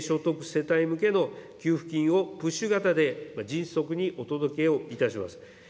世帯向けの給付金を、プッシュ型で迅速にお届けをいたします。